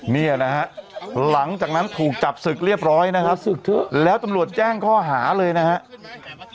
เนี่ยนะฮะหลังจากนั้นถูกจับศึกเรียบร้อยนะครับศึกเถอะแล้วตำรวจแจ้งข้อหาเลยนะครับ